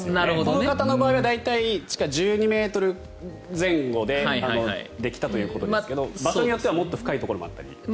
この方の場合は地下１２ｍ前後でできたということですけど場所によってはもっと深いところもあったり。